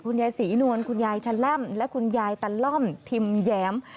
ยายศรีนวลคุณยายชะแล่มและคุณยายตะล่อมทิมแย้ม